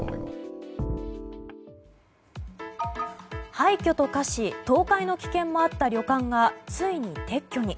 廃墟と化し倒壊の危険もあった旅館がついに撤去に。